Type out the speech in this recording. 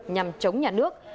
nhằm chống nhà nước